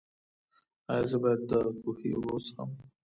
ایا زه باید د کوهي اوبه وڅښم؟